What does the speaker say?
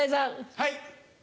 はい。